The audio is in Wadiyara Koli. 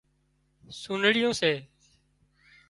سُنڙيون سي